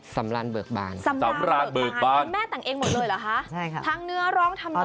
สำราญเบือกบานทำแม่ตั้งเองหมดเลยหรอคะทั้งเนื้อร้องทำนอง